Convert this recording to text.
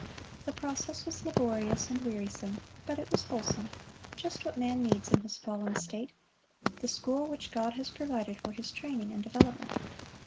The process was laborious and wearisome, but it was wholesome, just what man needs in his fallen state, the school which God has provided for his training and development.